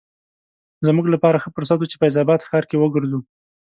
زموږ لپاره ښه فرصت و چې فیض اباد ښار کې وګرځو.